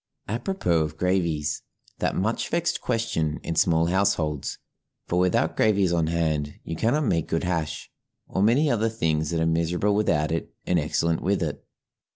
Apropos of gravies that much vexed question in small households for without gravies on hand you cannot make good hash, or many other things that are miserable without, and excellent with it.